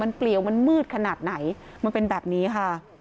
เปลี่ยวมันมืดขนาดไหนมันเป็นแบบนี้ค่ะ